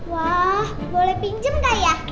wah boleh pinjem kah ya